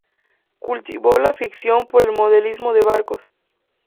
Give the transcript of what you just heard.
Cultivó la afición por el modelismo de barcos.